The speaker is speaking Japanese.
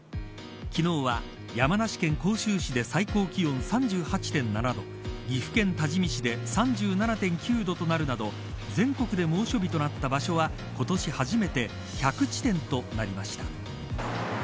昨日は山梨県甲州市で最高気温３８．７度岐阜県多治見市で３７．９度となるなど全国で猛暑日となった場所は今年初めて１００地点となりました。